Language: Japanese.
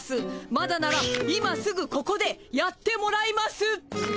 まだなら今すぐここでやってもらいます。